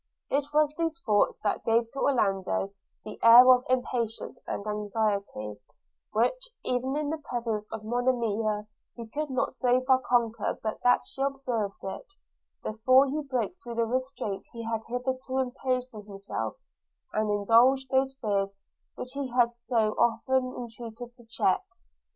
It was these thoughts that gave to Orlando that air of impatience and anxiety, which even in the presence of Monimia he could not so far conquer but that she observed it, before he broke through the restraint he had hitherto imposed on himself, and indulged those fears which he had so often entreated her to check.